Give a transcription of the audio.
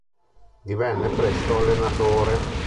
Divenne presto allenatore.